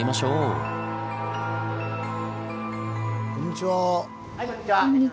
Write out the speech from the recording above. はいこんにちは。